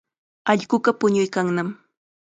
Allquqa puñuykanmi.